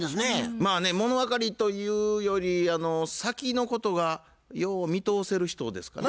まあねもの分かりというより先のことがよう見通せる人ですかな。